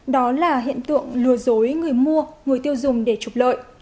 đó là hiện tượng lừa dối người mua người tiêu dùng để trục lợi